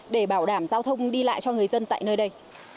để bảo đảm giao thông đi lại cho người dân tại nơi đây